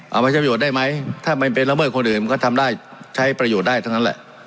เอาไปใช้ประโยชน์ได้ไหมถ้ามันเป็นละเมิดคนอื่นมันก็ทำได้ใช้ประโยชน์ได้ทั้งนั้นแหละ